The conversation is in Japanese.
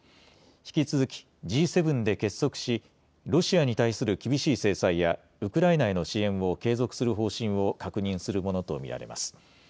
引き続きＧ７で結束しロシアに対する厳しい制裁やウクライナへの支援を継続する方針を確認するものと見られます。